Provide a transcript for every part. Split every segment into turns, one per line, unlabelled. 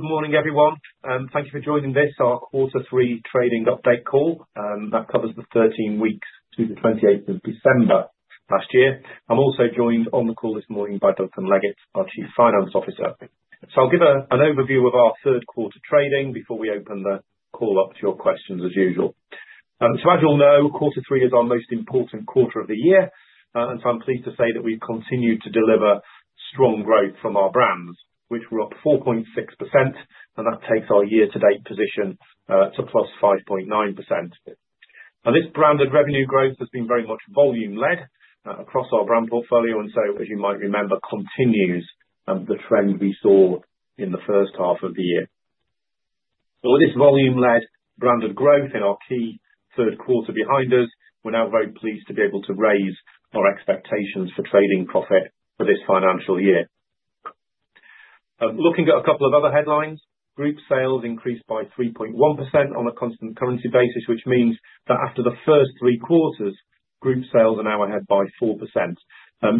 Good morning, everyone. Thank you for joining this our quarter three trading update call. That covers the 13 weeks to the 28th of December last year. I'm also joined on the call this morning by Duncan Leggett, our Chief Financial Officer, so I'll give an overview of our third quarter trading before we open the call up to your questions, as usual, so as you all know, quarter three is our most important quarter of the year, and so I'm pleased to say that we've continued to deliver strong growth from our brands, which were up 4.6%, and that takes our year-to-date position to plus 5.9%. Now, this branded revenue growth has been very much volume-led across our brand portfolio, and so, as you might remember, continues the trend we saw in the first half of the year. So with this volume-led branded growth in our key third quarter behind us, we're now very pleased to be able to raise our expectations for trading profit for this financial year. Looking at a couple of other headlines, group sales increased by 3.1% on a constant currency basis, which means that after the first three quarters, group sales are now ahead by 4%.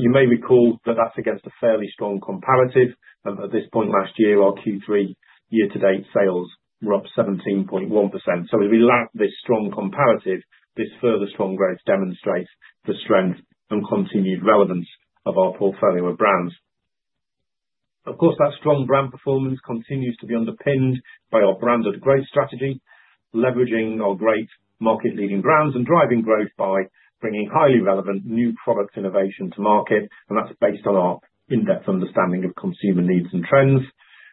You may recall that that's against a fairly strong comparative. At this point last year, our Q3 year-to-date sales were up 17.1%. So as we lap this strong comparative, this further strong growth demonstrates the strength and continued relevance of our portfolio of brands. Of course, that strong brand performance continues to be underpinned by our branded growth strategy, leveraging our great market-leading brands and driving growth by bringing highly relevant new product innovation to market. And that's based on our in-depth understanding of consumer needs and trends.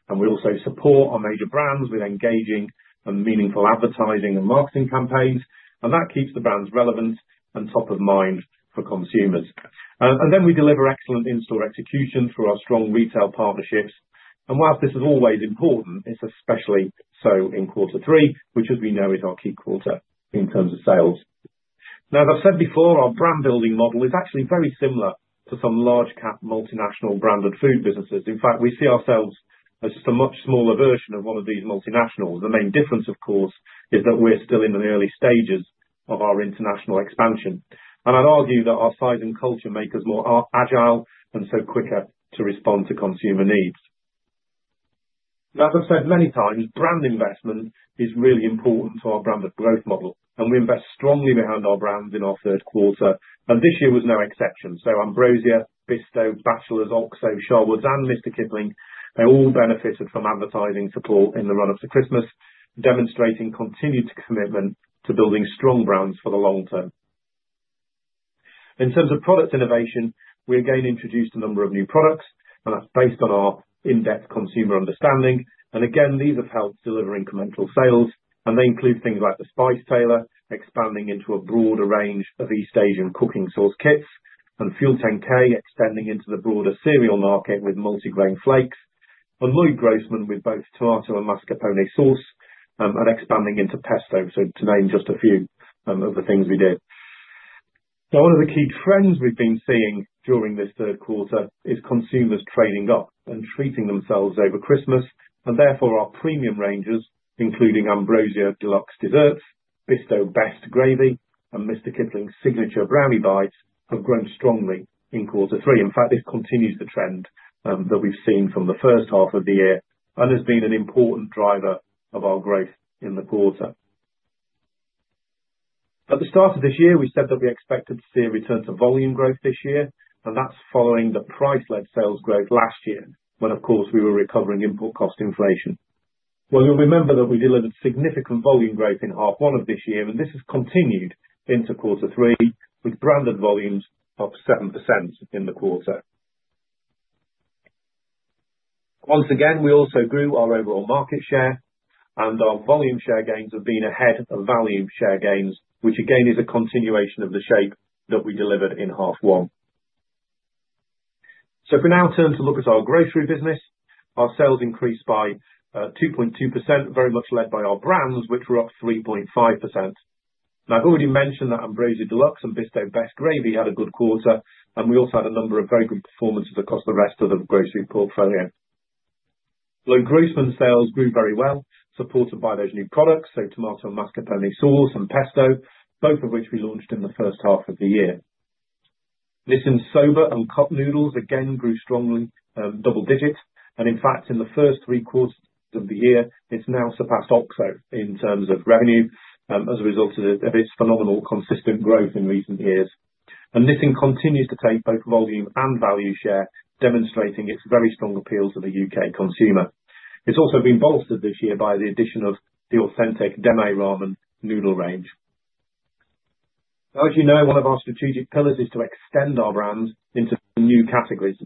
And we also support our major brands with engaging and meaningful advertising and marketing campaigns. And that keeps the brands relevant and top of mind for consumers. And then we deliver excellent in-store execution through our strong retail partnerships. And whilst this is always important, it's especially so in quarter three, which, as we know, is our key quarter in terms of sales. Now, as I've said before, our brand-building model is actually very similar to some large-cap multinational branded food businesses. In fact, we see ourselves as just a much smaller version of one of these multinationals. The main difference, of course, is that we're still in the early stages of our international expansion. And I'd argue that our size and culture make us more agile and so quicker to respond to consumer needs. Now, as I've said many times, brand investment is really important to our branded growth model. And we invest strongly behind our brands in our third quarter. And this year was no exception. So Ambrosia, Bisto, Batchelors, Oxo, Sharwood's, and Mr. Kipling, they all benefited from advertising support in the run-up to Christmas, demonstrating continued commitment to building strong brands for the long term. In terms of product innovation, we again introduced a number of new products. And that's based on our in-depth consumer understanding. And again, these have helped deliver incremental sales. And they include things like The Spice Tailor, expanding into a broader range of East Asian cooking sauce kits, and FUEL10K, extending into the broader cereal market with multigrain flakes, and Loyd Grossman with both tomato and mascarpone sauce, and expanding into pesto. So to name just a few of the things we did. Now, one of the key trends we've been seeing during this third quarter is consumers trading up and treating themselves over Christmas, and therefore, our premium ranges, including Ambrosia Deluxe Desserts, Bisto Best Gravy, and Mr. Kipling Signature Brownie Bites, have grown strongly in quarter three. In fact, this continues the trend that we've seen from the first half of the year and has been an important driver of our growth in the quarter. At the start of this year, we said that we expected to see a return to volume growth this year, and that's following the price-led sales growth last year, when, of course, we were recovering input cost inflation, well, you'll remember that we delivered significant volume growth in half one of this year, and this has continued into quarter three with branded volumes up 7% in the quarter. Once again, we also grew our overall market share. And our volume share gains have been ahead of value share gains, which again is a continuation of the shape that we delivered in half one. So for now, turn to look at our grocery business. Our sales increased by 2.2%, very much led by our brands, which were up 3.5%. Now, I've already mentioned that Ambrosia Deluxe and Bisto Best Gravy had a good quarter. And we also had a number of very good performances across the rest of the grocery portfolio. Loyd Grossman's sales grew very well, supported by those new products, so tomato and mascarpone sauce and pesto, both of which we launched in the first half of the year. Nissin's Soba and Cup Noodles again grew strongly, double-digit. In fact, in the first three quarters of the year, it's now surpassed Oxo in terms of revenue as a result of its phenomenal consistent growth in recent years. Nissin continues to take both volume and value share, demonstrating its very strong appeal to the U.K. consumer. It's also been bolstered this year by the addition of the authentic Demae Ramen noodle range. As you know, one of our strategic pillars is to extend our brands into new categories.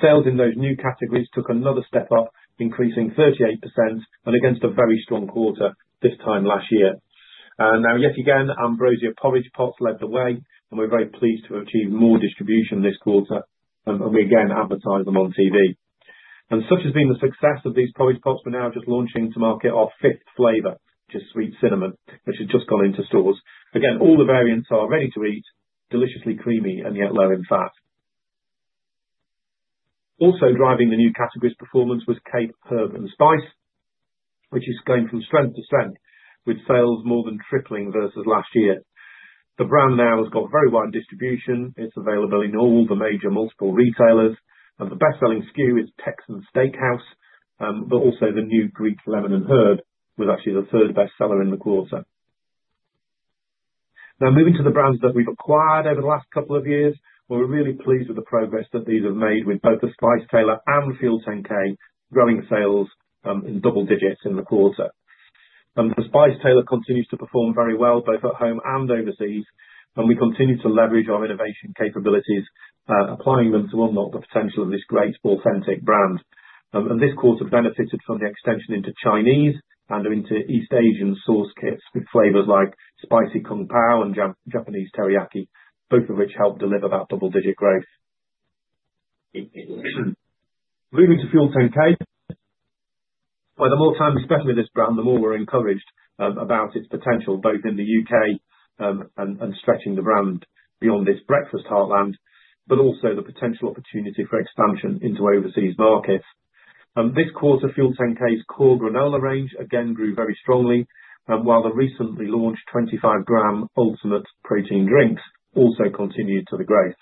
Sales in those new categories took another step up, increasing 38% and against a very strong quarter this time last year. Now, yet again, Ambrosia Porridge pots led the way. We're very pleased to have achieved more distribution this quarter. We again advertise them on TV. Such has been the success of these porridge pots. We're now just launching to market our fifth flavor, which is Sweet Cinnamon, which has just gone into stores. Again, all the variants are ready to eat, deliciously creamy, and yet low in fat. Also driving the new category's performance was Cape Herb & Spice, which is going from strength to strength, with sales more than tripling versus last year. The brand now has got very wide distribution. It's available in all the major multiple retailers. And the best-selling SKU is Texan Steakhouse, but also the new Greek Lemon and Herb, which was actually the third best seller in the quarter. Now, moving to the brands that we've acquired over the last couple of years, we're really pleased with the progress that these have made with both The Spice Tailor and FUEL10K, growing sales in double digits in the quarter. The Spice Tailor continues to perform very well, both at home and overseas. We continue to leverage our innovation capabilities, applying them to unlock the potential of this great authentic brand. This quarter benefited from the extension into Chinese and into East Asian sauce kits with flavors like spicy Kung Pao and Japanese Teriyaki, both of which helped deliver that double-digit growth. Moving to FUEL10K, the more time we spend with this brand, the more we're encouraged about its potential, both in the U.K. and stretching the brand beyond this breakfast heartland, but also the potential opportunity for expansion into overseas markets. This quarter, FUEL10K's Core Granola range again grew very strongly, while the recently launched 25-gram Ultimate Protein Drinks also contributed to the growth.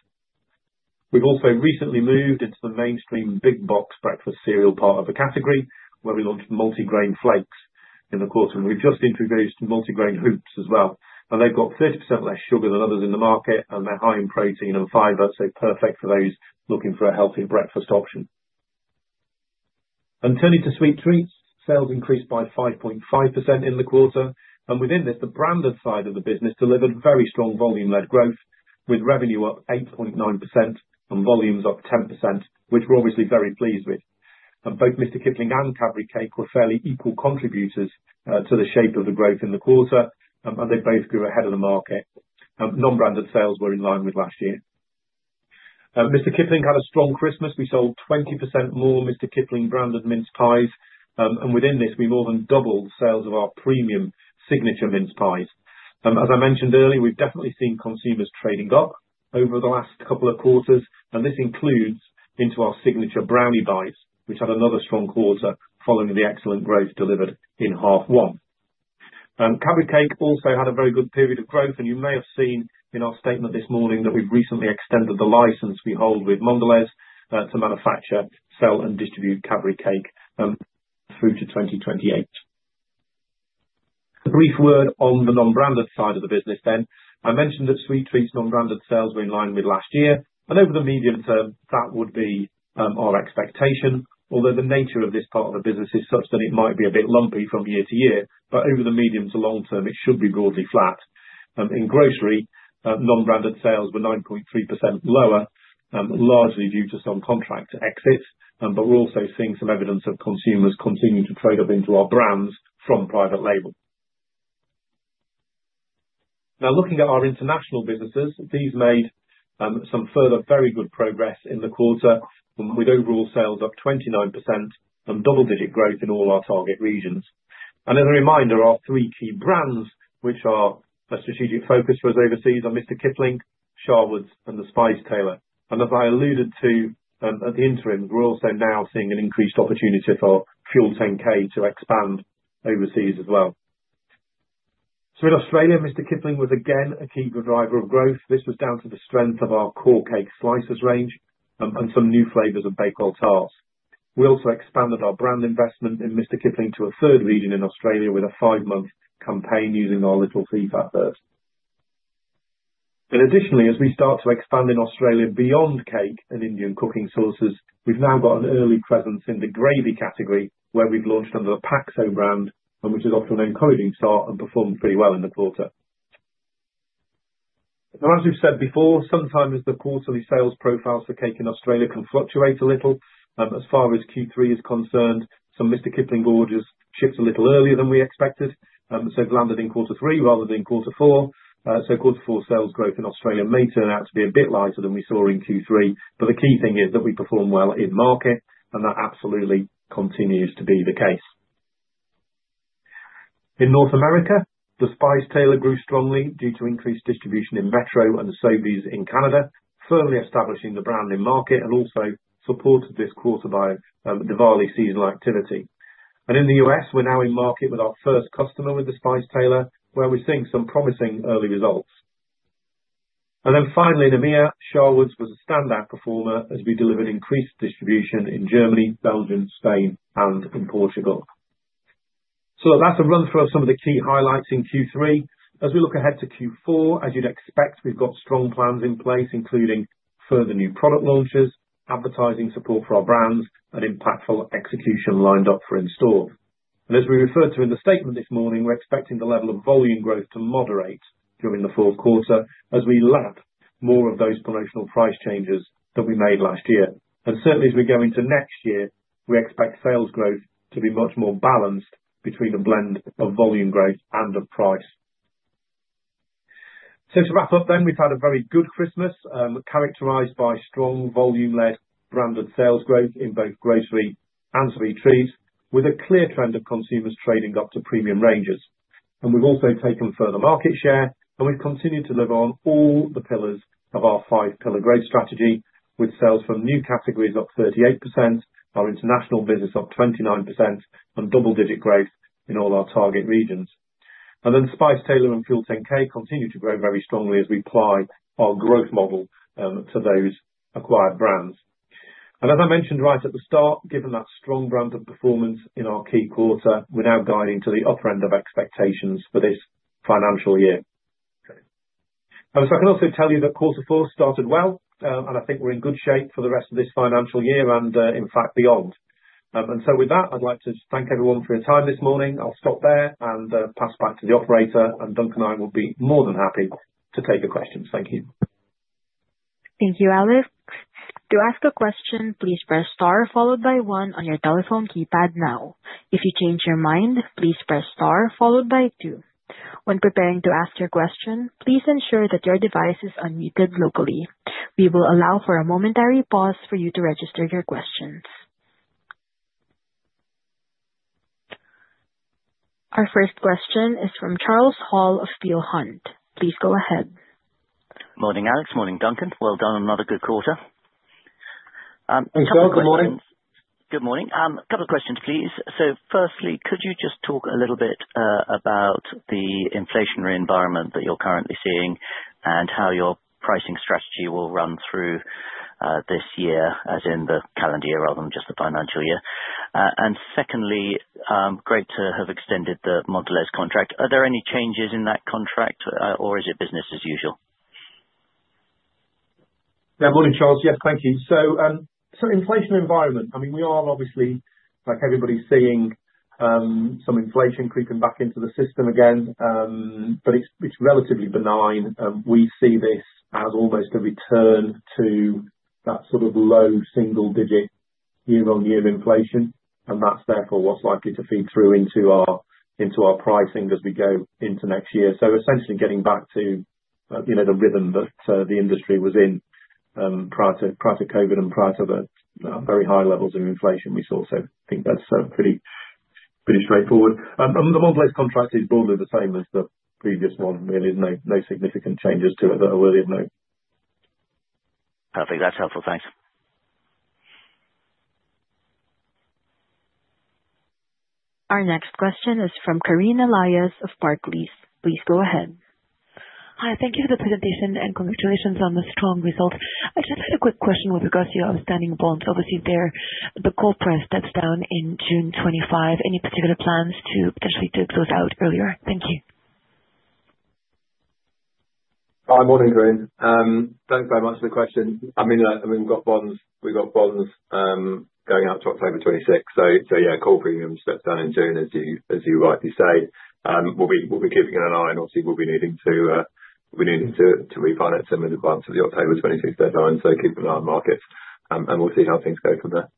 We've also recently moved into the mainstream big box breakfast cereal part of the category, where we launched multigrain flakes in the quarter, and we've just introduced multigrain hoops as well. They've got 30% less sugar than others in the market. They're high in protein and fiber, so perfect for those looking for a healthy breakfast option. Turning to sweet treats, sales increased by 5.5% in the quarter. Within this, the branded side of the business delivered very strong volume-led growth, with revenue up 8.9% and volumes up 10%, which we're obviously very pleased with. Both Mr. Kipling and Cadbury Cake were fairly equal contributors to the shape of the growth in the quarter. They both grew ahead of the market. Non-branded sales were in line with last year. Mr. Kipling had a strong Christmas. We sold 20% more Mr. Kipling branded mince pies. And within this, we more than doubled sales of our premium signature mince pies. As I mentioned earlier, we've definitely seen consumers trading up over the last couple of quarters. And this includes into our signature Brownie Bites, which had another strong quarter following the excellent growth delivered in half one. Cadbury Cake also had a very good period of growth. And you may have seen in our statement this morning that we've recently extended the license we hold with Mondelēz to manufacture, sell, and distribute Cadbury Cake through to 2028. A brief word on the non-branded side of the business, then. I mentioned that sweet treats non-branded sales were in line with last year. And over the medium term, that would be our expectation. Although the nature of this part of the business is such that it might be a bit lumpy from year to year, but over the medium to long term, it should be broadly flat. In grocery, non-branded sales were 9.3% lower, largely due to some contract exits. But we're also seeing some evidence of consumers continuing to trade up into our brands from private label. Now, looking at our international businesses, these made some further very good progress in the quarter, with overall sales up 29% and double-digit growth in all our target regions. And as a reminder, our three key brands, which are a strategic focus for us overseas, are Mr. Kipling, Sharwood's, and The Spice Tailor. And as I alluded to at the interim, we're also now seeing an increased opportunity for FUEL10K to expand overseas as well. So in Australia, Mr. Kipling was again a key driver of growth. This was down to the strength of our core cake slices range and some new flavors of baked tarts. We also expanded our brand investment in Mr. Kipling to a third region in Australia with a five-month campaign using our Little Thief advert, and additionally, as we start to expand in Australia beyond cake and Indian cooking sauces, we've now got an early presence in the gravy category, where we've launched under the Paxo brand, which is often an encouraging start and performed pretty well in the quarter. Now, as we've said before, sometimes the quarterly sales profiles for cake in Australia can fluctuate a little. As far as Q3 is concerned, some Mr. Kipling orders shipped a little earlier than we expected, so it's landed in quarter three rather than in quarter four. Quarter four sales growth in Australia may turn out to be a bit lighter than we saw in Q3. But the key thing is that we perform well in market. And that absolutely continues to be the case. In North America, The Spice Tailor grew strongly due to increased distribution in Metro and Sobeys in Canada, firmly establishing the brand in market and also supported this quarter by the various seasonal activity. And in the US, we're now in market with our first customer with The Spice Tailor, where we're seeing some promising early results. And then finally, in EMEA, Sharwood's was a standout performer as we delivered increased distribution in Germany, Belgium, Spain, and in Portugal. So that's a run-through of some of the key highlights in Q3. As we look ahead to Q4, as you'd expect, we've got strong plans in place, including further new product launches, advertising support for our brands, and impactful execution lined up for in-store. And as we referred to in the statement this morning, we're expecting the level of volume growth to moderate during the fourth quarter as we lap more of those promotional price changes that we made last year. And certainly, as we go into next year, we expect sales growth to be much more balanced between a blend of volume growth and of price. So to wrap up, then, we've had a very good Christmas characterized by strong volume-led branded sales growth in both grocery and sweet treats, with a clear trend of consumers trading up to premium ranges. And we've also taken further market share. And we've continued to live on all the pillars of our five-pillar growth strategy, with sales from new categories up 38%, our international business up 29%, and double-digit growth in all our target regions. And then The Spice Tailor and FUEL10K continue to grow very strongly as we apply our growth model to those acquired brands. And as I mentioned right at the start, given that strong branded performance in our key quarter, we're now guiding to the upper end of expectations for this financial year. So I can also tell you that quarter four started well. And I think we're in good shape for the rest of this financial year and, in fact, beyond. And so with that, I'd like to thank everyone for your time this morning. I'll stop there and pass back to the operator. And Duncan and I will be more than happy to take your questions. Thank you.
Thank you, Alex. To ask a question, please press star followed by one on your telephone keypad now. If you change your mind, please press star followed by two. When preparing to ask your question, please ensure that your device is unmuted locally. We will allow for a momentary pause for you to register your questions. Our first question is from Charles Hall of Peel Hunt. Please go ahead.
Morning, Alex. Morning, Duncan. Well done. Another good quarter. Good morning. Good morning. A couple of questions, please. So firstly, could you just talk a little bit about the inflationary environment that you're currently seeing and how your pricing strategy will run through this year, as in the calendar year rather than just the financial year? And secondly, great to have extended the Mondelēz contract. Are there any changes in that contract, or is it business as usual?
Yeah. Morning, Charles. Yes, thank you. So inflation environment, I mean, we are obviously, like everybody's seeing, some inflation creeping back into the system again. But it's relatively benign. We see this as almost a return to that sort of low single-digit year-on-year inflation. And that's therefore what's likely to feed through into our pricing as we go into next year. So essentially getting back to the rhythm that the industry was in prior to COVID and prior to the very high levels of inflation we saw. So I think that's pretty straightforward. And the Mondelēz contract is broadly the same as the previous one, really. No significant changes to it that are worthy of note.
Perfect. That's helpful. Thanks.
Our next question is from Kareen Laios of Barclays. Please go ahead. Hi. Thank you for the presentation and congratulations on the strong results. I just had a quick question with regards to your outstanding bonds overseas there. The call premium steps down in June 2025. Any particular plans to potentially dig those out earlier? Thank you.
Hi. Morning, Kareen. Thanks very much for the question. I mean, we've got bonds going out to October 2026. So yeah, call premium steps down in June, as you rightly say. We'll be keeping an eye on it. Obviously, we'll be needing to refinance some of the bonds at the October 2026 deadline. So keep an eye on markets. And we'll see how things go from there.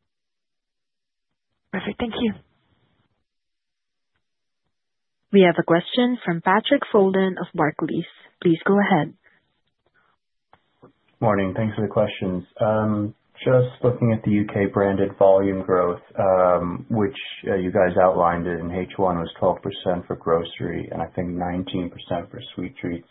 Perfect. Thank you.
We have a question from Patrick Folan of Barclays. Please go ahead.
Morning. Thanks for the questions. Just looking at the U.K. branded volume growth, which you guys outlined in H1 was 12% for grocery and I think 19% for sweet treats.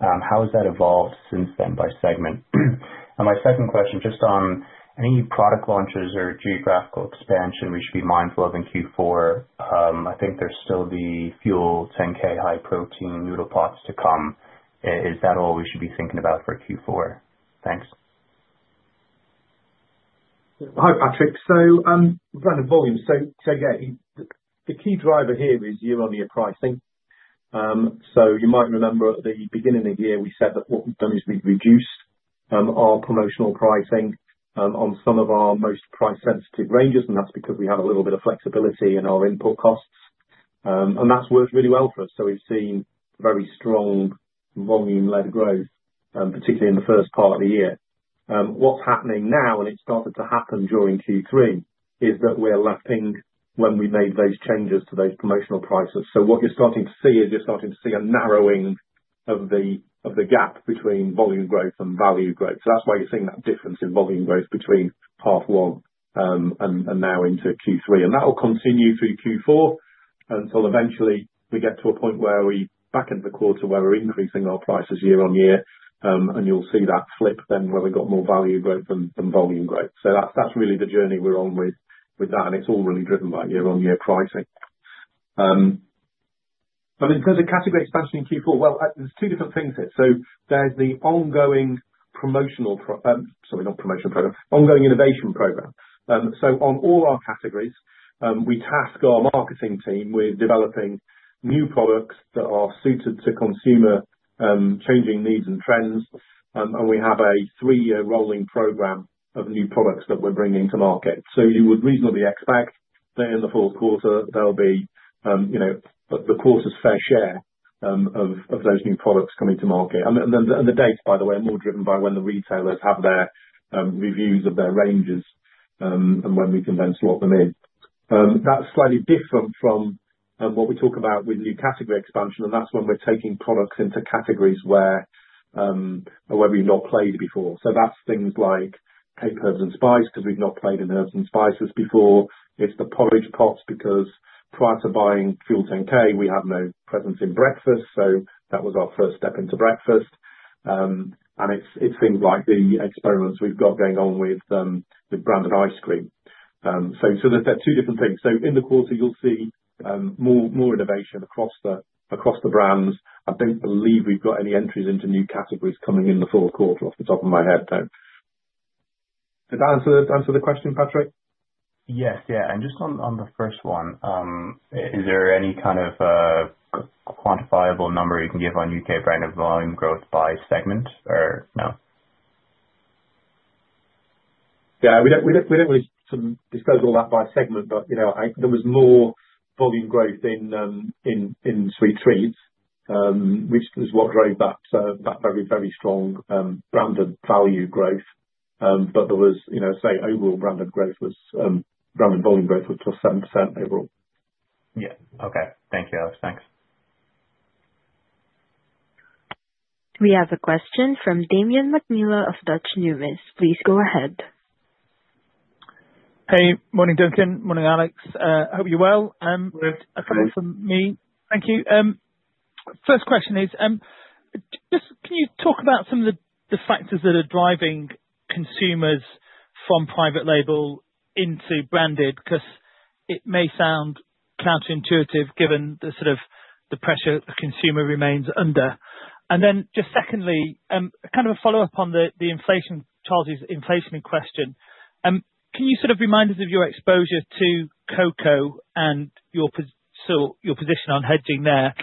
How has that evolved since then by segment? And my second question, just on any product launches or geographical expansion we should be mindful of in Q4. I think there's still the FUEL10K high protein noodle pots to come. Is that all we should be thinking about for Q4? Thanks.
Hi, Patrick. So branded volume. So yeah, the key driver here is year-on-year pricing. So you might remember at the beginning of the year, we said that what we've done is we've reduced our promotional pricing on some of our most price-sensitive ranges. And that's because we have a little bit of flexibility in our input costs. And that's worked really well for us. So we've seen very strong volume-led growth, particularly in the first part of the year. What's happening now, and it started to happen during Q3, is that we're lapping when we made those changes to those promotional prices. So what you're starting to see is a narrowing of the gap between volume growth and value growth. So that's why you're seeing that difference in volume growth between half one and now into Q3. And that will continue through Q4 until eventually we get to a point where we back into the quarter where we're increasing our prices year-on-year. And you'll see that flip then where we've got more value growth than volume growth. So that's really the journey we're on with that. And it's all really driven by year-on-year pricing. And in terms of category expansion in Q4, well, there's two different things here. So there's the ongoing promotional, sorry, not promotional program, ongoing innovation program. So on all our categories, we task our marketing team with developing new products that are suited to consumer changing needs and trends. And we have a three-year rolling program of new products that we're bringing to market. So you would reasonably expect that in the fourth quarter, there'll be the quarter's fair share of those new products coming to market. And the dates, by the way, are more driven by when the retailers have their reviews of their ranges and when we can then slot them in. That's slightly different from what we talk about with new category expansion. And that's when we're taking products into categories where we've not played before. So that's things like Cape Herbs and Spice because we've not played in herbs and spices before. It's the porridge pots because prior to buying FUEL10K, we had no presence in breakfast. So that was our first step into breakfast. And it's things like the experiments we've got going on with branded ice cream. So there's two different things. So in the quarter, you'll see more innovation across the brands. I don't believe we've got any entries into new categories coming in the fourth quarter off the top of my head, though. Did that answer the question, Patrick?
Yes. Yeah. And just on the first one, is there any kind of quantifiable number you can give on U.K. branded volume growth by segment or no?
Yeah. We don't really disclose all that by segment. But there was more volume growth in sweet treats, which was what drove that very, very strong branded value growth. But there was, say, overall branded volume growth was plus 7% overall.
Yeah. Okay. Thank you, Alex. Thanks.
We have a question from Damian McNeela of Deutsche Numis. Please go ahead.
Hey. Morning, Duncan. Morning, Alex. I hope you're well. I've got a couple from me. Thank you. First question is, can you talk about some of the factors that are driving consumers from private label into branded? Because it may sound counterintuitive given the sort of pressure the consumer remains under. And then just secondly, kind of a follow-up on the inflation in question. Can you sort of remind us of your exposure to cocoa and your position on hedging there?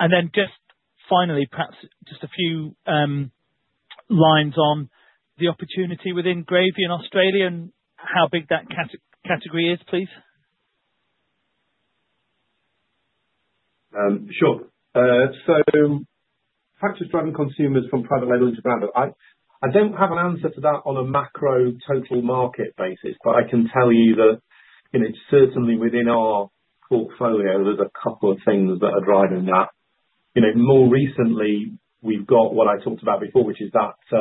And then just finally, perhaps just a few lines on the opportunity within gravy in Australia and how big that category is, please.
Sure. So factors driving consumers from private label into branded. I don't have an answer to that on a macro total market basis. But I can tell you that certainly within our portfolio, there's a couple of things that are driving that. More recently, we've got what I talked about before, which is that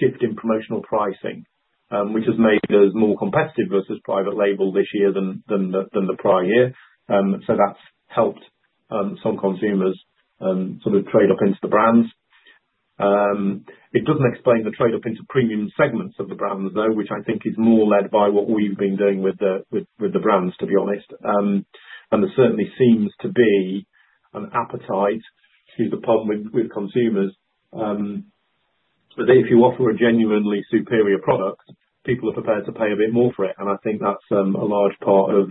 shift in promotional pricing, which has made us more competitive versus private label this year than the prior year. So that's helped some consumers sort of trade up into the brands. It doesn't explain the trade up into premium segments of the brands, though, which I think is more led by what we've been doing with the brands, to be honest. And there certainly seems to be an appetite, excuse the pun, with consumers that if you offer a genuinely superior product, people are prepared to pay a bit more for it. And I think that's a large part of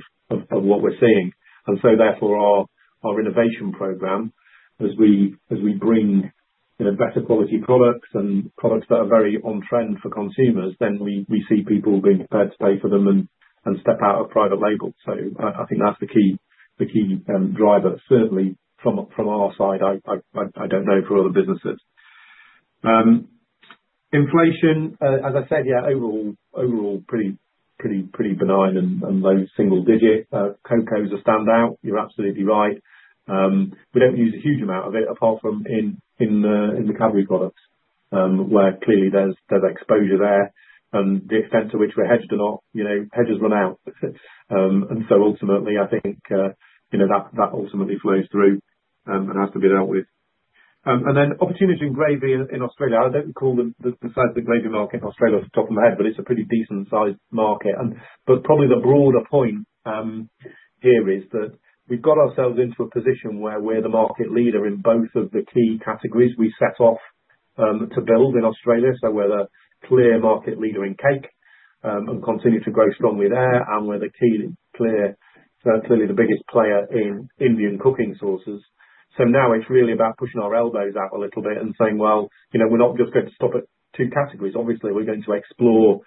what we're seeing. And so therefore, our innovation program, as we bring better quality products and products that are very on-trend for consumers, then we see people being prepared to pay for them and step out of private label. So I think that's the key driver, certainly, from our side. I don't know for other businesses. Inflation, as I said, yeah, overall pretty benign and low single-digit. Cocoas stand out. You're absolutely right. We don't use a huge amount of it apart from in the Cadbury products where clearly there's exposure there. And the extent to which we're hedged or not, hedges run out. And so ultimately, I think that ultimately flows through and has to be dealt with. And then opportunity in gravy in Australia. I don't recall the size of the gravy market in Australia off the top of my head, but it's a pretty decent-sized market. But probably the broader point here is that we've got ourselves into a position where we're the market leader in both of the key categories we set off to build in Australia. So we're the clear market leader in cake and continue to grow strongly there. And we're clearly the biggest player in Indian cooking sauces. So now it's really about pushing our elbows out a little bit and saying, "Well, we're not just going to stop at two categories. Obviously, we're going to explore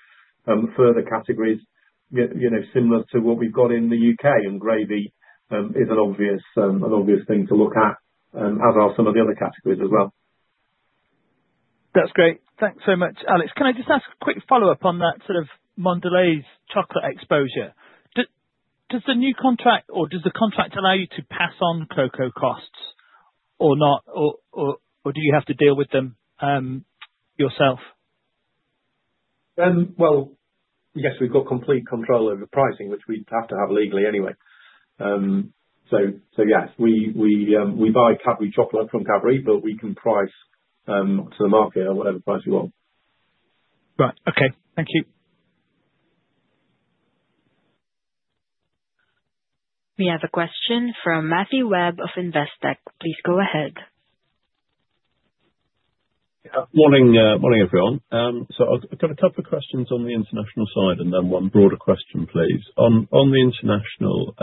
further categories similar to what we've got in the U.K.." And gravy is an obvious thing to look at, as are some of the other categories as well.
That's great. Thanks so much, Alex. Can I just ask a quick follow-up on that sort of Mondelēz chocolate exposure? Does the new contract or does the contract allow you to pass on cocoa costs or not? Or do you have to deal with them yourself?
Well, yes, we've got complete control over pricing, which we have to have legally anyway. So yes, we buy Cadbury chocolate from Cadbury, but we can price to the market at whatever price we want.
Right. Okay. Thank you.
We have a question from Matthew Webb of Investec. Please go ahead.
Morning, everyone. So I've got a couple of questions on the international side and then one broader question, please. On the international,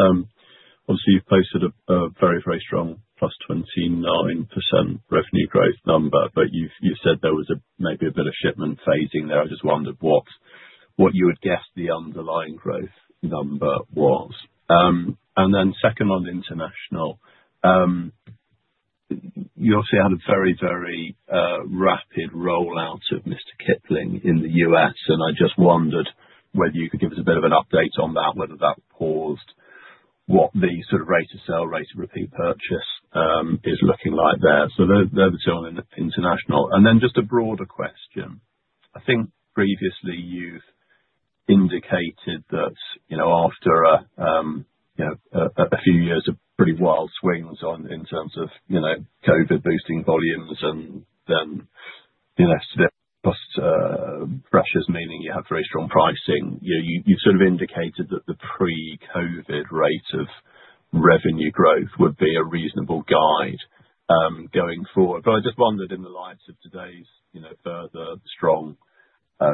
obviously, you've posted a very, very strong plus 29% revenue growth number. But you said there was maybe a bit of shipment phasing there. I just wondered what you would guess the underlying growth number was. And then second, on the international, you obviously had a very, very rapid rollout of Mr. Kipling in the US. I just wondered whether you could give us a bit of an update on that, whether that paused what the sort of rate of sale, rate of repeat purchase is looking like there. They're the two on the international. Just a broader question. I think previously you've indicated that after a few years of pretty wild swings in terms of COVID boosting volumes and then stale cost pressures, meaning you have very strong pricing, you've sort of indicated that the pre-COVID rate of revenue growth would be a reasonable guide going forward. But I just wondered in the light of today's further strong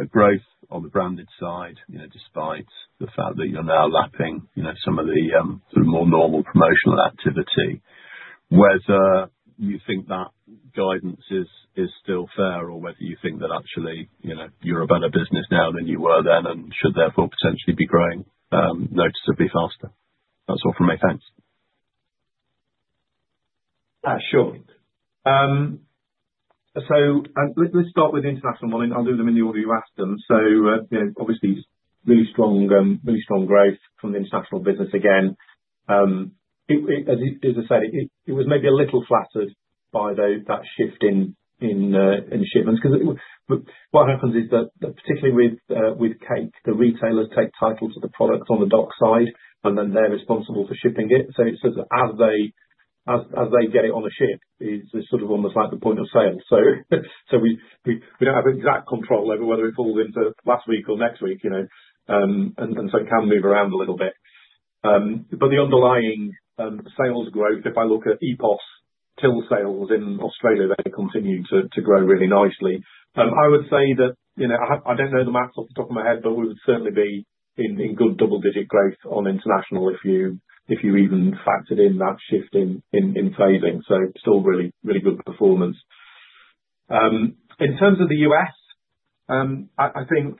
growth on the branded side, despite the fact that you're now lapping some of the sort of more normal promotional activity, whether you think that guidance is still fair or whether you think that actually you're a better business now than you were then and should therefore potentially be growing noticeably faster? That's all from me. Thanks.
Sure. So let's start with international. I'll do them in the order you asked them. So obviously, really strong growth from the international business again. As I said, it was maybe a little flattered by that shift in shipments. Because what happens is that particularly with cake, the retailers take title to the products on the dock side, and then they're responsible for shipping it. So it's sort of as they get it on a ship, it's sort of almost like the point of sale. So we don't have exact control over whether it falls into last week or next week. And so it can move around a little bit. But the underlying sales growth, if I look at EPOS till sales in Australia, they continue to grow really nicely. I would say that I don't know the math off the top of my head, but we would certainly be in good double-digit growth on international if you even factored in that shift in phasing. So still really, really good performance. In terms of the U.S., I think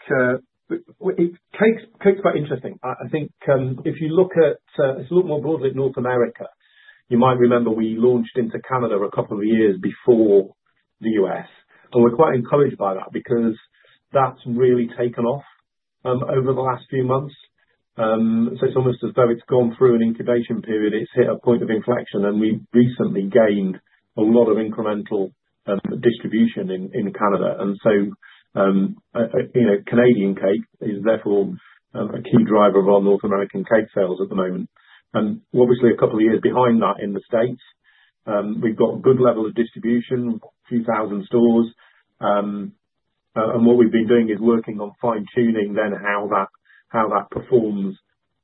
cake's quite interesting. I think if you look at it a little more broadly at North America. You might remember we launched into Canada a couple of years before the U.S. And we're quite encouraged by that because that's really taken off over the last few months. So it's almost as though it's gone through an incubation period. It's hit a point of inflection. And we recently gained a lot of incremental distribution in Canada. And so Canadian cake is therefore a key driver of our North American cake sales at the moment. And obviously, a couple of years behind that in the States, we've got a good level of distribution, a few thousand stores. And what we've been doing is working on fine-tuning then how that performs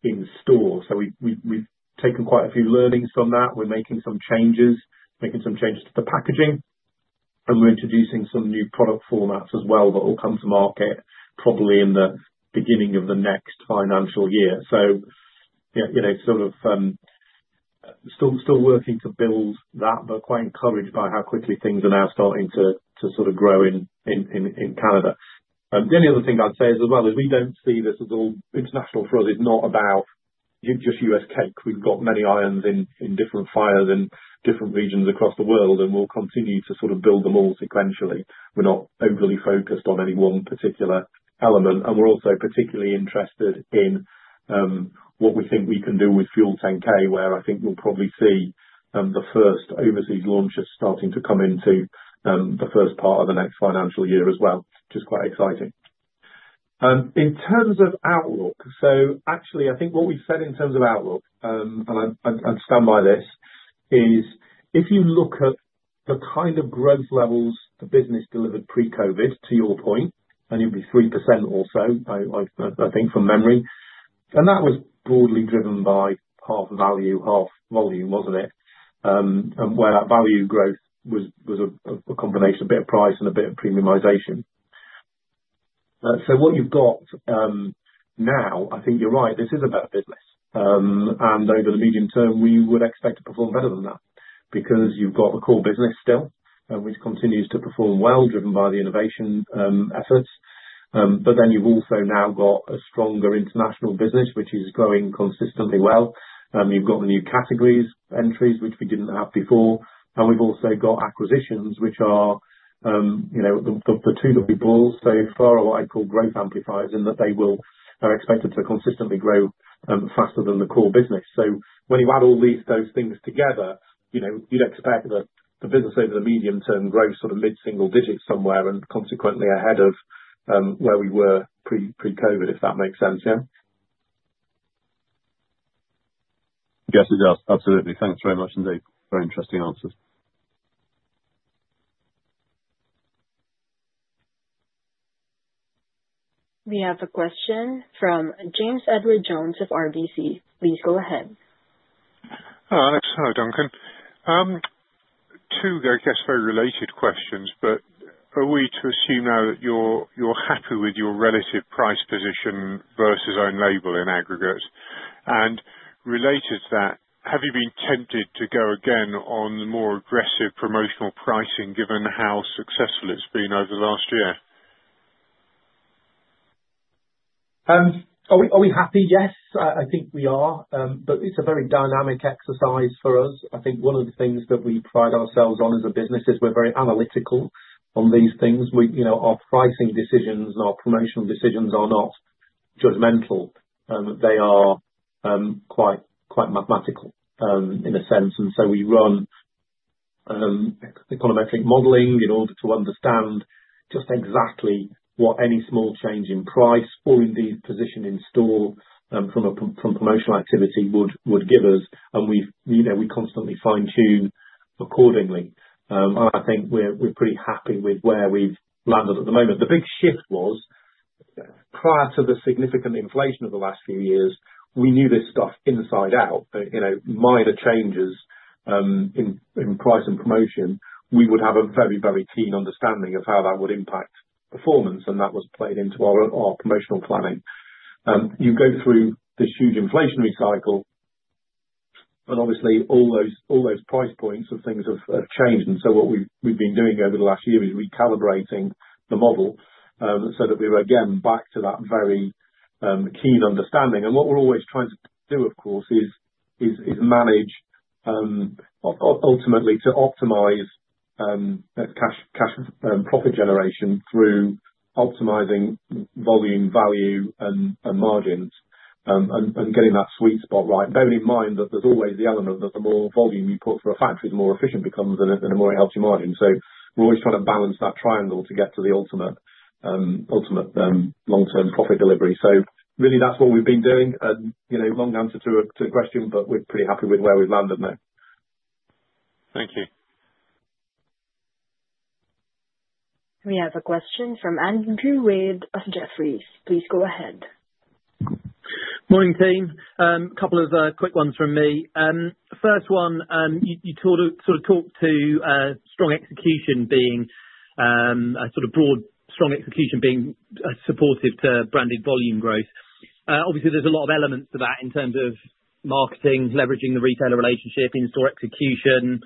in store. So we've taken quite a few learnings from that. We're making some changes to the packaging. And we're introducing some new product formats as well that will come to market probably in the beginning of the next financial year. So sort of still working to build that, but quite encouraged by how quickly things are now starting to sort of grow in Canada. The only other thing I'd say as well is we don't see this as all international for us. It's not about just U.S. cake. We've got many irons in different fires in different regions across the world. And we'll continue to sort of build them all sequentially. We're not overly focused on any one particular element. And we're also particularly interested in what we think we can do with FUEL10K, where I think we'll probably see the first overseas launches starting to come into the first part of the next financial year as well, which is quite exciting. In terms of outlook, so actually, I think what we've said in terms of outlook, and I stand by this, is if you look at the kind of growth levels the business delivered pre-COVID, to your point, and it would be three% or so, I think, from memory. And that was broadly driven by half value, half volume, wasn't it? And where that value growth was a combination, a bit of price and a bit of premiumization. So what you've got now, I think you're right, this is a better business. And over the medium term, we would expect to perform better than that because you've got a core business still, which continues to perform well, driven by the innovation efforts. But then you've also now got a stronger international business, which is growing consistently well. You've got the new categories entries, which we didn't have before. And we've also got acquisitions, which are the two bolt-ons. So they are what I'd call growth amplifiers in that they are expected to consistently grow faster than the core business. So when you add all those things together, you'd expect that the business over the medium term grows sort of mid-single digits somewhere and consequently ahead of where we were pre-COVID, if that makes sense. Yeah?
Yes, it does. Absolutely. Thanks very much indeed. Very interesting answers.
We have a question from James Edwardes Jones of RBC. Please go ahead.
Hi, Alex. Hi, Duncan. Two very related questions. But are we to assume now that you're happy with your relative price position versus own label in aggregate? And related to that, have you been tempted to go again on more aggressive promotional pricing given how successful it's been over the last year? Are we happy?
Yes, I think we are. But it's a very dynamic exercise for us. I think one of the things that we pride ourselves on as a business is we're very analytical on these things. Our pricing decisions and our promotional decisions are not judgmental. They are quite mathematical in a sense. And so we run econometric modeling in order to understand just exactly what any small change in price or indeed position in store from promotional activity would give us. And we constantly fine-tune accordingly. And I think we're pretty happy with where we've landed at the moment. The big shift was prior to the significant inflation of the last few years, we knew this stuff inside out. Minor changes in price and promotion, we would have a very, very keen understanding of how that would impact performance. And that was played into our promotional planning. You go through this huge inflationary cycle. And obviously, all those price points of things have changed. And so what we've been doing over the last year is recalibrating the model so that we're again back to that very keen understanding. And what we're always trying to do, of course, is manage ultimately to optimize cash profit generation through optimizing volume, value, and margins and getting that sweet spot right. Bearing in mind that there's always the element that the more volume you put for a factory, the more efficient it becomes and the more it helps your margin. So we're always trying to balance that triangle to get to the ultimate long-term profit delivery. So really, that's what we've been doing. Long answer to the question, but we're pretty happy with where we've landed now.
Thank you.
We have a question from Andrew Wade of Jefferies. Please go ahead.
Morning, team. A couple of quick ones from me. First one, you sort of talked to strong execution being a sort of broad strong execution being supportive to branded volume growth. Obviously, there's a lot of elements to that in terms of marketing, leveraging the retailer relationship, in-store execution,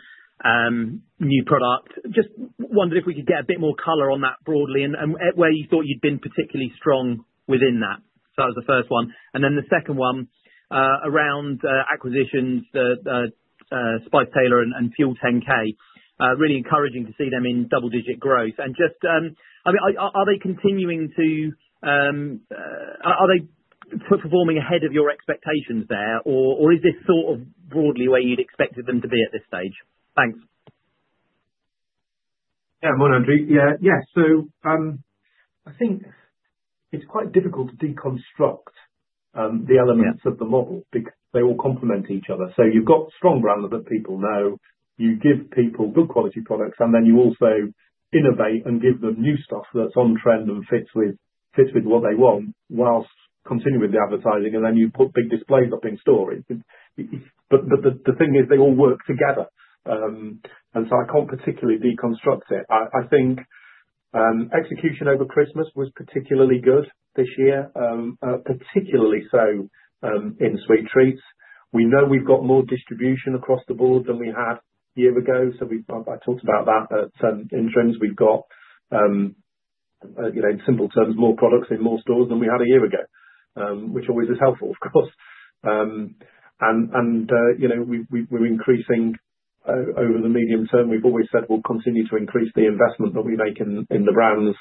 new product. Just wondered if we could get a bit more color on that broadly and where you thought you'd been particularly strong within that. So that was the first one. And then the second one around acquisitions, Spice Tailor and FUEL10K. Really encouraging to see them in double-digit growth. And just, I mean, are they performing ahead of your expectations there? Or is this sort of broadly where you'd expected them to be at this stage? Thanks.
Yeah. Morning, Andrew. Yeah. So I think it's quite difficult to deconstruct the elements of the model because they all complement each other. So you've got strong brands that people know. You give people good quality products. And then you also innovate and give them new stuff that's on trend and fits with what they want whilst continuing with the advertising. And then you put big displays up in stores. But the thing is they all work together. And so I can't particularly deconstruct it. I think execution over Christmas was particularly good this year, particularly so in sweet treats. We know we've got more distribution across the board than we had a year ago. So I talked about that. In terms we've got, in simple terms, more products in more stores than we had a year ago, which always is helpful, of course. And we're increasing over the medium term. We've always said we'll continue to increase the investment that we make in the brands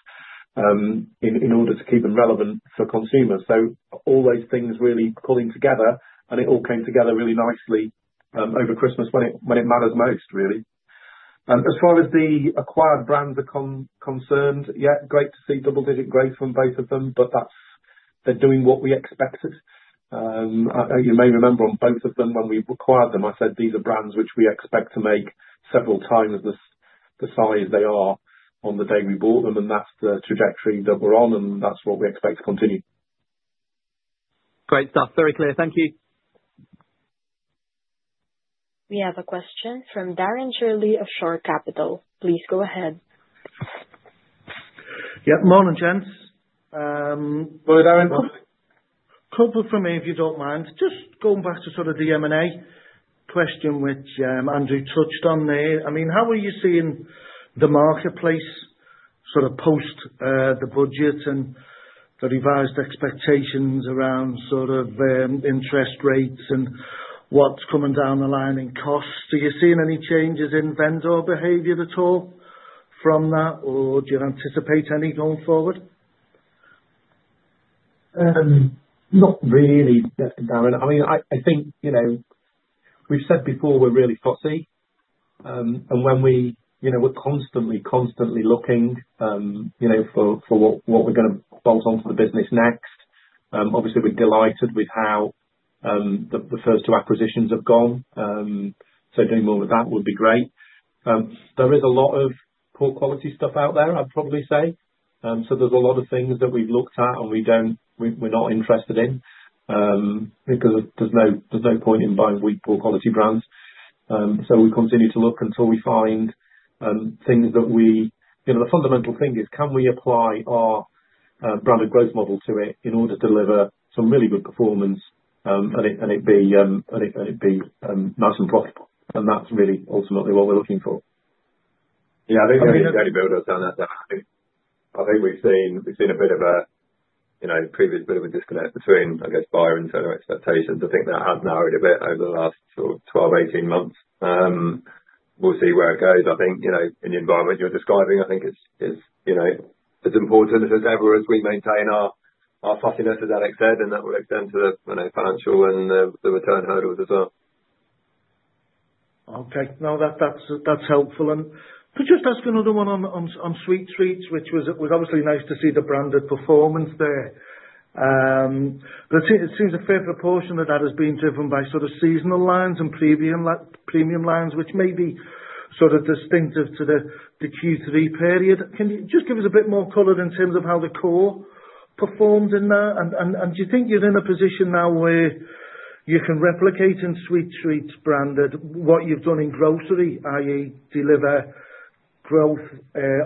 in order to keep them relevant for consumers, so all those things really pulling together, and it all came together really nicely over Christmas when it matters most, really. As far as the acquired brands are concerned, yeah, great to see double-digit growth from both of them. But they're doing what we expected. You may remember on both of them when we acquired them, I said, "These are brands which we expect to make several times the size they are on the day we bought them," and that's the trajectory that we're on. And that's what we expect to continue.
Great stuff. Very clear. Thank you.
We have a question from Darren Shirley of Shore Capital. Please go ahead.
Yeah. Morning, gents. Couple for me, if you don't mind. Just going back to sort of the M&A question, which Andrew touched on there. I mean, how are you seeing the marketplace sort of post the budget and the revised expectations around sort of interest rates and what's coming down the line in costs? Are you seeing any changes in vendor behavior at all from that? Or do you anticipate any going forward?
Not really, Darren. I mean, I think we've said before we're really fussy, and when we're constantly, constantly looking for what we're going to bolt onto the business next, obviously, we're delighted with how the first two acquisitions have gone. So doing more with that would be great. There is a lot of poor quality stuff out there, I'd probably say. So there's a lot of things that we've looked at and we're not interested in because there's no point in buying weak, poor quality brands. So we continue to look until we find things that we the fundamental thing is, can we apply our branded growth model to it in order to deliver some really good performance and it be nice and profitable? And that's really ultimately what we're looking for. Yeah. I think the only dirty buildup down that I think we've seen a bit of a disconnect between, I guess, buyer and seller expectations. I think that has narrowed a bit over the last sort of 12-18 months. We'll see where it goes. I think in the environment you're describing, I think it's as important as ever as we maintain our fussiness, as Alex said. And that will extend to the financial and the return hurdles as well.
Okay. No, that's helpful. To just ask another one on sweet treats, which was obviously nice to see the branded performance there. It seems a fair proportion of that has been driven by sort of seasonal lines and premium lines, which may be sort of distinctive to the Q3 period. Can you just give us a bit more color in terms of how the core performed in that? And do you think you're in a position now where you can replicate in sweet treats branded what you've done in grocery, i.e., deliver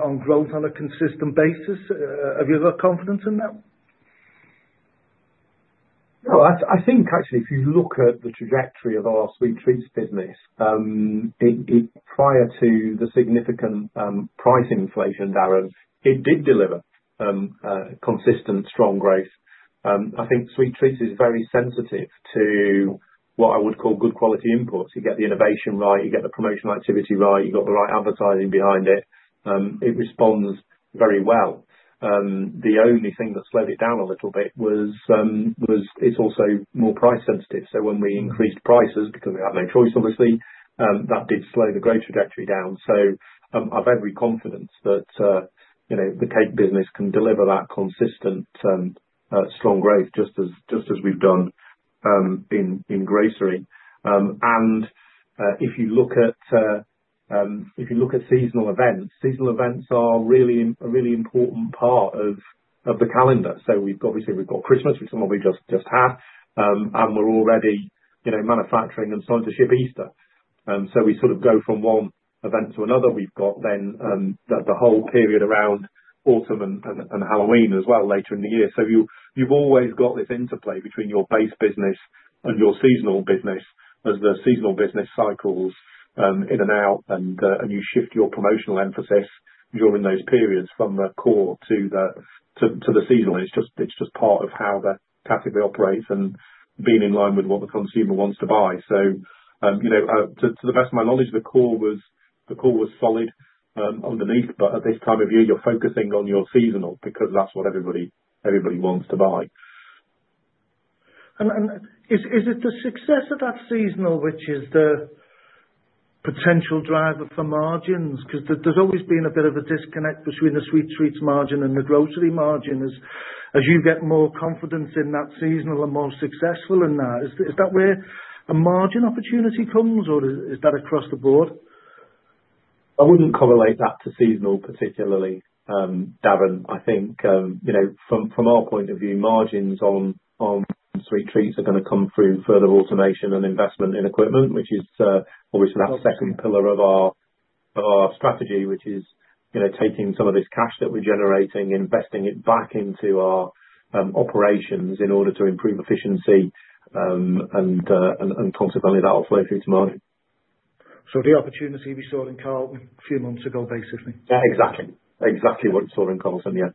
on growth on a consistent basis? Have you got confidence in that?
I think actually, if you look at the trajectory of our sweet treats business prior to the significant price inflation, Darren, it did deliver consistent strong growth. I think sweet treats is very sensitive to what I would call good quality inputs. You get the innovation right. You get the promotional activity right. You've got the right advertising behind it. It responds very well. The only thing that slowed it down a little bit was, it's also more price sensitive. So when we increased prices, because we had no choice, obviously, that did slow the growth trajectory down. So I have every confidence that the cake business can deliver that consistent strong growth just as we've done in grocery. And if you look at seasonal events, seasonal events are a really important part of the calendar. So obviously, we've got Christmas, which some of us just had. And we're already manufacturing and starting to ship Easter. So we sort of go from one event to another. We've got then the whole period around autumn and Halloween as well later in the year. You've always got this interplay between your base business and your seasonal business as the seasonal business cycles in and out. You shift your promotional emphasis during those periods from the core to the seasonal. It's just part of how the category operates and being in line with what the consumer wants to buy. To the best of my knowledge, the core was solid underneath. At this time of year, you're focusing on your seasonal because that's what everybody wants to buy.
Is the success of that seasonal the potential driver for margins? Because there's always been a bit of a disconnect between the sweet treats margin and the grocery margin as you get more confidence in that seasonal and more successful in that. Is that where a margin opportunity comes? Or is that across the board?
I wouldn't correlate that to seasonal particularly, Darren, I think. From our point of view, margins on sweet treats are going to come through further automation and investment in equipment, which is obviously that second pillar of our strategy, which is taking some of this cash that we're generating, investing it back into our operations in order to improve efficiency. And consequently, that will flow through to margin. So the opportunity we saw in Carlton a few months ago, basically. Exactly. Exactly what you saw in Carlton, yeah.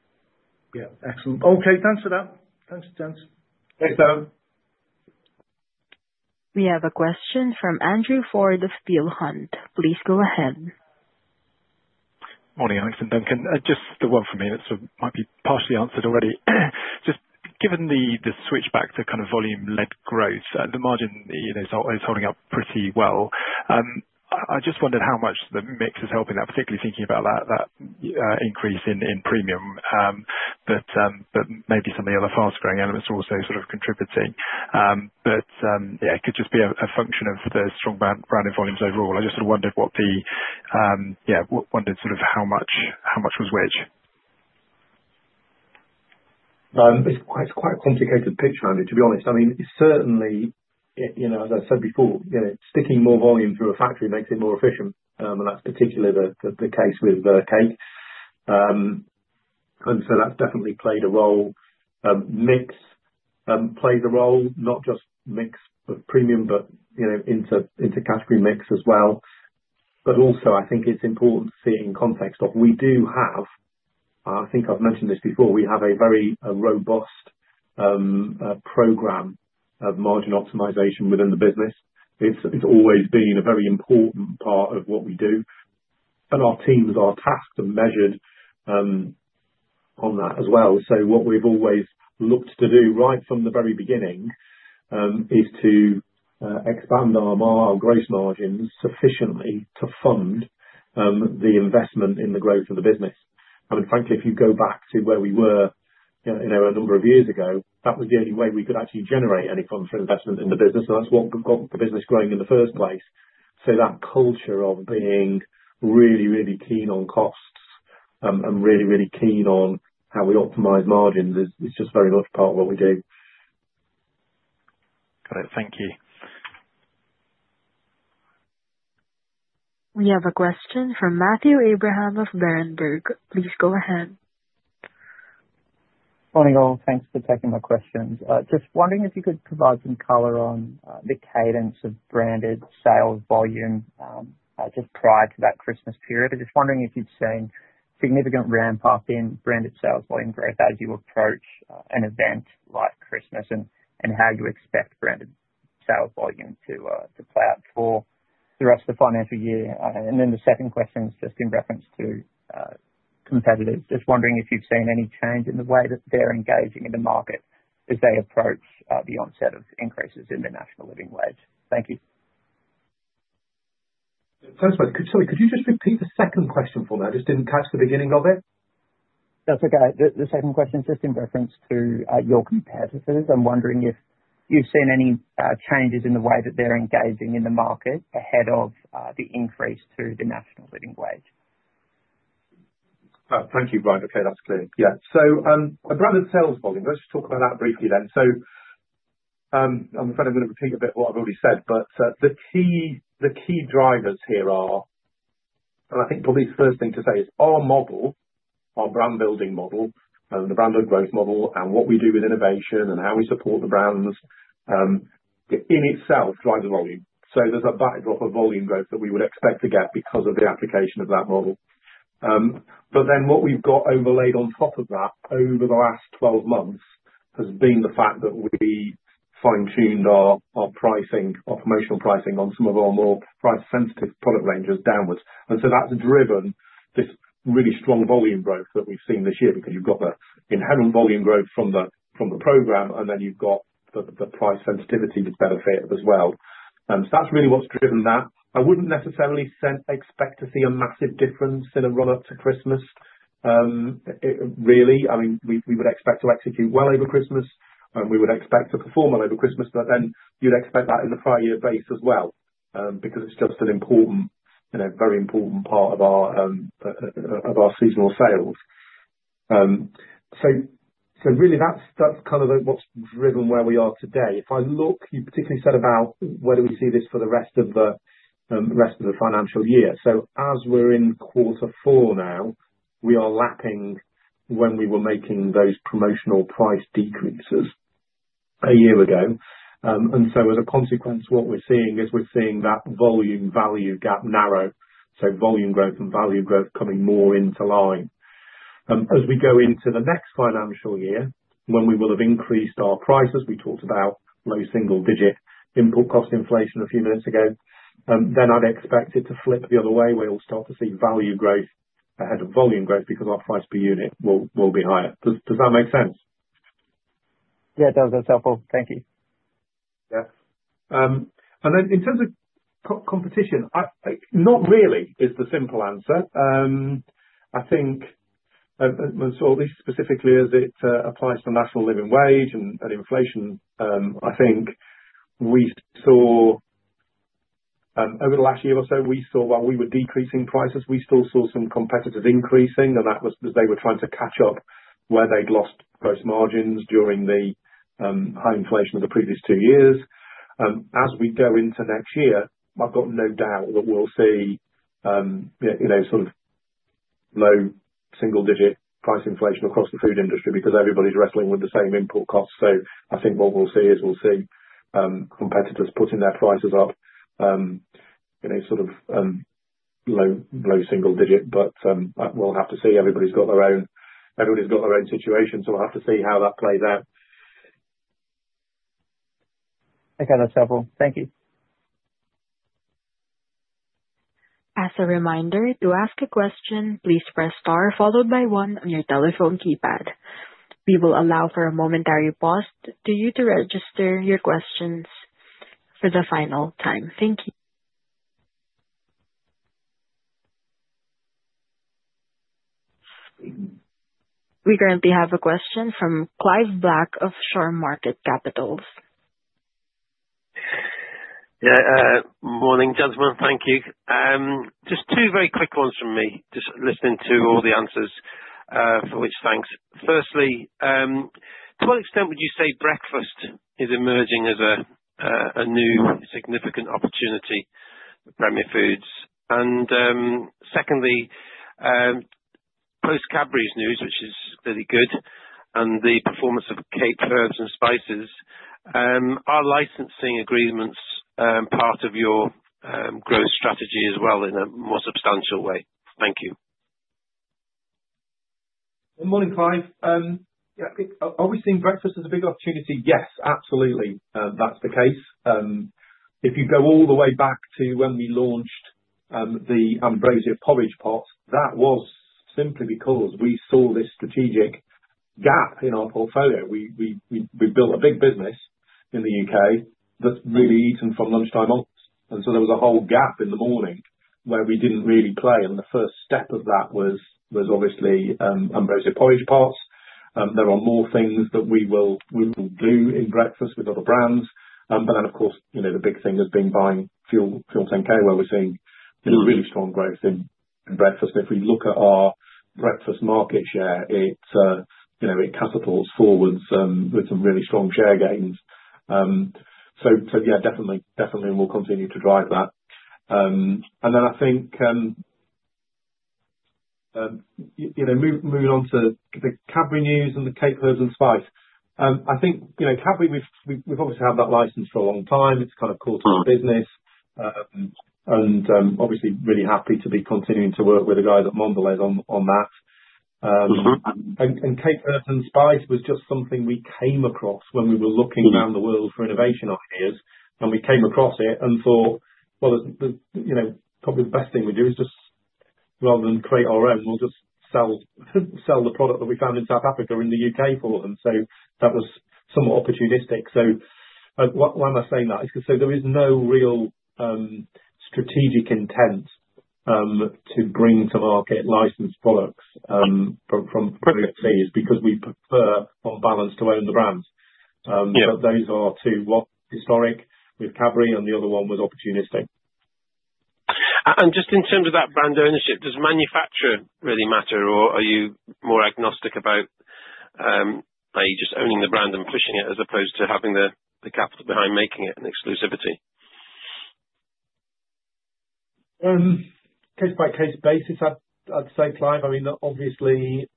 Yeah. Excellent. Okay. Thanks for that. Thanks, gents.
Thanks, Darren.
We have a question from Andrew Foulds of Peel Hunt. Please go ahead. Morning, Alex and Duncan. Just the one from me that might be partially answered the mix is helping that, particularly thinking about that increase in premium. But maybe some of the other fast-growing elements are also sort of contributing. But yeah, it could just be a function of the strong branded volumes overall. I just sort of wondered how much was which.
It's quite a complicated picture, Andrew, to be honest. I mean, certainly, as I said before, sticking more volume through a factory makes it more efficient. And that's particularly the case with the cake. And so that's definitely played a role. Mix plays a role, not just mix of premium, but inter category mix as well. But also, I think it's important to see it in context of we do have. I think I've mentioned this before. We have a very robust program of margin optimization within the business. It's always been a very important part of what we do, and our teams are tasked and measured on that as well. So what we've always looked to do right from the very beginning is to expand our gross margins sufficiently to fund the investment in the growth of the business. I mean, frankly, if you go back to where we were a number of years ago, that was the only way we could actually generate any funds for investment in the business, and that's what got the business growing in the first place. So that culture of being really, really keen on costs and really, really keen on how we optimize margins is just very much part of what we do. Got it. Thank you.
We have a question from Matthew Abraham of Berenberg. Please go ahead.
Morning, all. Thanks for taking my questions. Just wondering if you could provide some color on the cadence of branded sales volume just prior to that Christmas period. I'm just wondering if you'd seen significant ramp-up in branded sales volume growth as you approach an event like Christmas and how you expect branded sales volume to play out for the rest of the financial year. And then the second question is just in reference to competitors. Just wondering if you've seen any change in the way that they're engaging in the market as they approach the onset of increases in the National Living Wage. Thank you.
Sorry, could you just repeat the second question for me? I just didn't catch the beginning of it.
That's okay. The second question's just in reference to your competitors. I'm wondering if you've seen any changes in the way that they're engaging in the market ahead of the increase to the National Living Wage.
Thank you, Abraham. Okay, that's clear. Yeah. So branded sales volume, let's just talk about that briefly then. So I'm afraid I'm going to repeat a bit what I've already said. But the key drivers here are, and I think probably the first thing to say is our model, our brand-building model, and the branded growth model and what we do with innovation and how we support the brands in itself drives the volume. So there's a backdrop of volume growth that we would expect to get because of the application of that model. But then what we've got overlaid on top of that over the last 12 months has been the fact that we fine-tuned our promotional pricing on some of our more price-sensitive product ranges downwards. And so that's driven this really strong volume growth that we've seen this year because you've got the inherent volume growth from the program, and then you've got the price sensitivity that's better fit as well. And so that's really what's driven that. I wouldn't necessarily expect to see a massive difference in a run-up to Christmas, really. I mean, we would expect to execute well over Christmas, and we would expect to perform well over Christmas. But then you'd expect that in the prior year base as well because it's just a very important part of our seasonal sales. So really, that's kind of what's driven where we are today. If I look, you particularly said about where do we see this for the rest of the financial year, so as we're in quarter four now, we are lapping when we were making those promotional price decreases a year ago, and so as a consequence, what we're seeing is we're seeing that volume-value gap narrow, so volume growth and value growth coming more into line. As we go into the next financial year, when we will have increased our prices, we talked about low single-digit input cost inflation a few minutes ago, then I'd expect it to flip the other way. We'll start to see value growth ahead of volume growth because our price per unit will be higher. Does that make sense?
Yeah, it does. That's helpful. Thank you.
Yeah,
and then in terms of competition, not really is the simple answer.
I think we saw this specifically as it applies to National Living Wage and inflation. I think we saw over the last year or so, we saw while we were decreasing prices, we still saw some competitors increasing, and that was because they were trying to catch up where they'd lost gross margins during the high inflation of the previous two years. As we go into next year, I've got no doubt that we'll see sort of low single-digit price inflation across the food industry because everybody's wrestling with the same input costs, so I think what we'll see is we'll see competitors putting their prices up sort of low single-digit, but we'll have to see. Everybody's got their own situation, so we'll have to see how that plays out.
Okay, that's helpful. Thank you.
As a reminder, to ask a question, please press star followed by one on your telephone keypad. We will allow for a momentary pause for you to register your questions for the final time. Thank you. We currently have a question from Clive Black of Shore Capital.
Yeah. Morning, gentlemen. Thank you. Just two very quick ones from me, just listening to all the answers for which thanks. Firstly, to what extent would you say breakfast is emerging as a new significant opportunity for Premier Foods? And secondly, post-Cadbury's news, which is really good, and the performance of cakes, herbs and spices, are licensing agreements part of your growth strategy as well in a more substantial way? Thank you.
Morning, Clive. Yeah. Are we seeing breakfast as a big opportunity? Yes, absolutely. That's the case. If you go all the way back to when we launched the Ambrosia Porridge pot, that was simply because we saw this strategic gap in our portfolio. We built a big business in the U.K. that really eats from lunchtime on, and so there was a whole gap in the morning where we didn't really play. The first step of that was obviously Ambrosia Porridge pots. There are more things that we will do in breakfast with other brands. But then, of course, the big thing has been buying FUEL10K, where we're seeing really strong growth in breakfast. If we look at our breakfast market share, it catapults forwards with some really strong share gains. So yeah, definitely, definitely we'll continue to drive that. Then I think moving on to the Cadbury news and the Cape Herb and Spice. I think Cadbury, we've obviously had that license for a long time. It's kind of core to our business. And obviously, really happy to be continuing to work with the guys at Mondelēz on that. And Cape Herb & Spice was just something we came across when we were looking around the world for innovation ideas. And we came across it and thought, well, probably the best thing we do is just, rather than create our own, we'll just sell the product that we found in South Africa or in the U.K. for them. So that was somewhat opportunistic. So why am I saying that? It's because there is no real strategic intent to bring to market licensed products from third parties because we prefer, on balance, to own the brands. But those are two what? Historic with Cadbury, and the other one was opportunistic.
Just in terms of that brand ownership, does manufacturer really matter? Or are you more agnostic about just owning the brand and pushing it as opposed to having the capital behind making it an exclusivity?
Case-by-case basis, I'd say, Clive. I mean, obviously,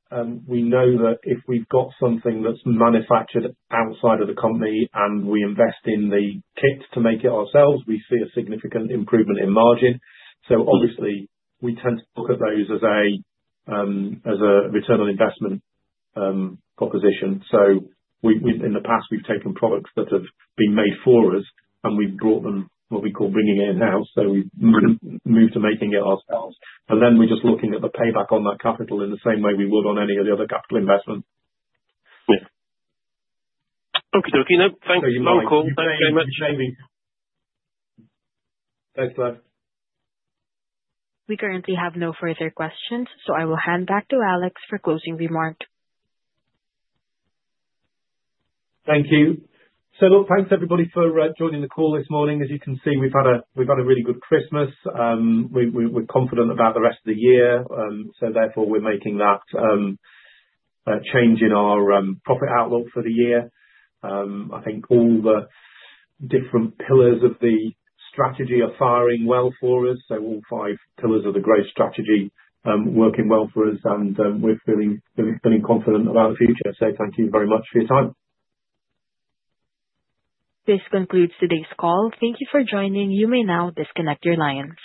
we know that if we've got something that's manufactured outside of the company and we invest in the kit to make it ourselves, we see a significant improvement in margin. So obviously, we tend to look at those as a return on investment proposition. So in the past, we've taken products that have been made for us, and we've brought them what we call bringing it in-house. So we've moved to making it ourselves. And then we're just looking at the payback on that capital in the same way we would on any of the other capital investment. Yeah.
Okey dokey. No, thanks for the call. Thank you very much.
Thanks, Clive.
We currently have no further questions, so I will hand back to Alex for closing remark.
Thank you. So look, thanks everybody for joining the call this morning. As you can see, we've had a really good Christmas. We're confident about the rest of the year. So therefore, we're making that change in our profit outlook for the year. I think all the different pillars of the strategy are firing well for us. So all five pillars of the growth strategy working well for us. And we're feeling confident about the future. So thank you very much for your time.
This concludes today's call. Thank you for joining. You may now disconnect your lines.